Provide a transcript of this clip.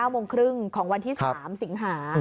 โมงครึ่งของวันที่๓สิงหา